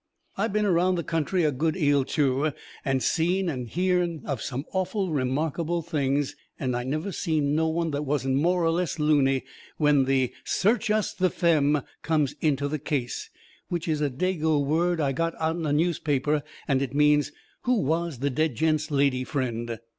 I been around the country a good 'eal, too, and seen and hearn of some awful remarkable things, and I never seen no one that wasn't more or less looney when the SEARCH US THE FEMM comes into the case. Which is a Dago word I got out'n a newspaper and it means: "Who was the dead gent's lady friend?"